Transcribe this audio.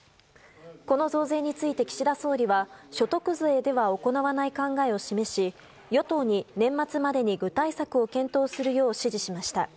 この増税について岸田総理は所得税では行わない考えを示し与党に年末までに具体策を検討するよう指示しました。